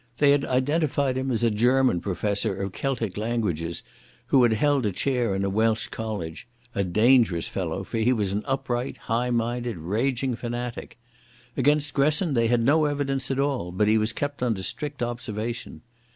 They had identified him as a German professor of Celtic languages, who had held a chair in a Welsh college—a dangerous fellow, for he was an upright, high minded, raging fanatic. Against Gresson they had no evidence at all, but he was kept under strict observation.